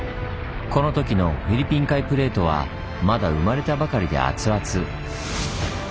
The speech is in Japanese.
このときのフィリピン海プレートはまだ生まれたばかりでアツアツ。